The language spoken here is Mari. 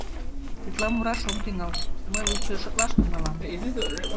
Тетла мураш ом тӱҥал, мый лучо шотлаш тӱҥалам...